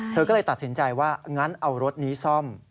เธอก็เลยตัดสินใจว่างั้นเอารถนี้ซ่อม